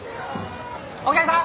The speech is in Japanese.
お客さん